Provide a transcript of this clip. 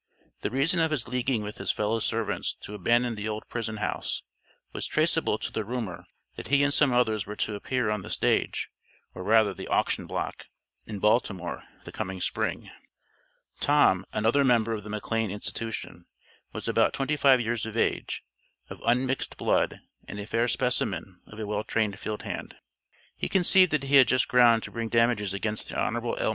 The reason of his leaguing with his fellow servants to abandon the old prison house, was traceable to the rumor, that he and some others were to appear on the stage, or rather the auction block, in Baltimore, the coming Spring. Tom, another member of the McLane institution, was about twenty five years of age, of unmixed blood, and a fair specimen of a well trained field hand. He conceived that he had just ground to bring damages against the Hon. L.